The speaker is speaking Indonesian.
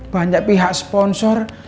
banyak pihak sponsor